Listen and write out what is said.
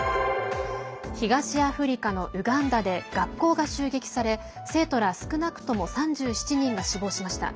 東アフリカのウガンダで学校が襲撃され生徒ら、少なくとも３７人が死亡しました。